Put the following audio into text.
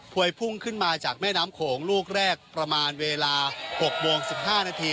วยพุ่งขึ้นมาจากแม่น้ำโขงลูกแรกประมาณเวลา๖โมง๑๕นาที